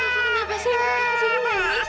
kava kava kenapa sih kamu mau jadi manis